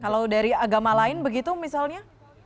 kalau dari agama lain begitu misalnya